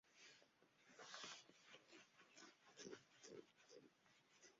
Se produjeron y vendieron millones de cámaras.